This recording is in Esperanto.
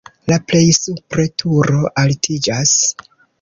La plej supre turo altiĝas.